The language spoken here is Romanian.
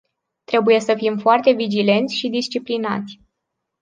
Trebuie să fim foarte vigilenți și disciplinați.